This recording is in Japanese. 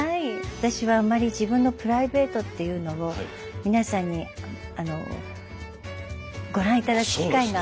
私はあんまり自分のプライベートっていうのを皆さんにあのご覧頂く機会が。